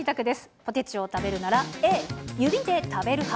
ポテチを食べるならＡ、指で食べる派。